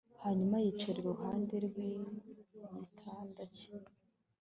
hanyuma yicara iruhande rw'igitanda cye